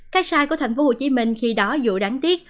cái sai của thành phố hồ chí minh khi đó dù đáng tiếc